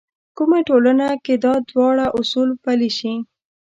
کومه ټولنه کې دا دواړه اصول پلي شي.